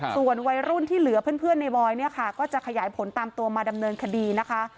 ส่วนวัยรุ่นที่เหลือเพื่อนในบอยเนี่ยค่ะก็จะขยายผลตามตัวมาดำเนินคดีนะคะ